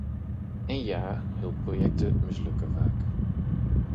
En ja, hulpprojecten mislukken vaak.